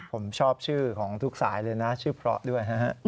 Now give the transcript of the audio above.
ผมชอบชื่อของทุกสายเลยนะชื่อเพราะด้วยนะฮะ